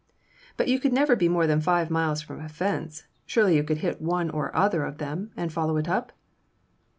"But you could never be more than five miles from a fence; surely you could hit one or other of them and follow it up?"